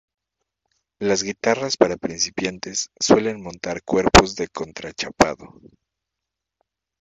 Las guitarras para principiantes suelen montar cuerpos de contrachapado.